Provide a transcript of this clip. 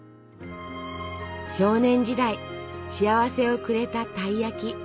少年時代幸せをくれたたい焼き。